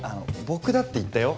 僕だって言ったよ。